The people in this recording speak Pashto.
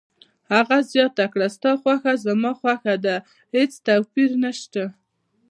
هغې زیاته کړه: ستا خوښه زما خوښه ده، هیڅ توپیر نشته.